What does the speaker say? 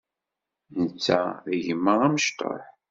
Netta d gma amecṭuḥ.